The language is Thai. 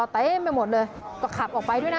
เต็มไปหมดเลยก็ขับออกไปด้วยนะ